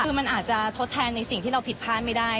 คือมันอาจจะทดแทนในสิ่งที่เราผิดพลาดไม่ได้